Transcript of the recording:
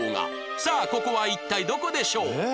さあここは一体どこでしょう？